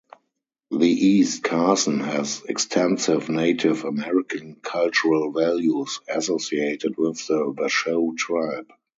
The East Carson has extensive Native American cultural values associated with the Washoe tribe.